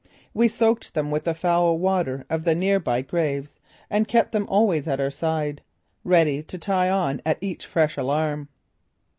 We soaked them with the foul water of the near by graves and kept them always at our side, ready to tie on at each fresh alarm.